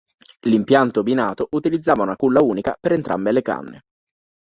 L'impianto binato utilizzava una culla unica per entrambe le canne.